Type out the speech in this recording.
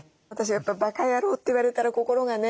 やっぱり「ばか野郎」って言われたら心がね